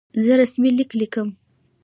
زه رسمي لیک لیکم.